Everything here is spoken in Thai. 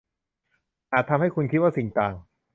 อาจทำให้คุณคิดว่าสิ่งต่าง